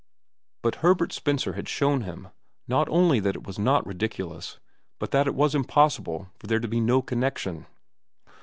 But Herbert Spencer had shown him not only that it was not ridiculous, but that it was impossible for there to be no connection.